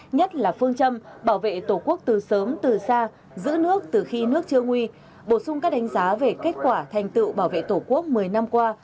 nhất là phương châm bảo vệ tổ quốc từ sớm từ xa giữ nước từ khi nước chưa nguy bổ sung các đánh giá về kết quả thành tựu bảo vệ tổ quốc một mươi năm qua